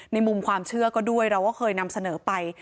มุมความเชื่อก็ด้วยเราก็เคยนำเสนอไป